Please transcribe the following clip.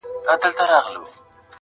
او په سترگو کې بلا اوښکي را ډنډ سوې.